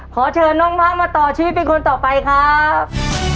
ขอเชิญน้องมะมาต่อชีวิตเป็นคนต่อไปครับ